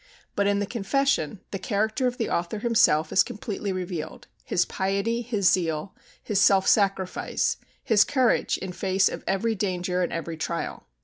But in the Confession the character of the author himself is completely revealed his piety, his zeal, his self sacrifice, his courage in face of every danger and every trial.